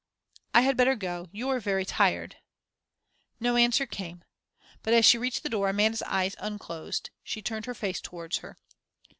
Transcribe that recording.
"I had better go. You're very tired." No answer came. But as she reached the door Amanda's eyes unclosed, she turned her face towards her.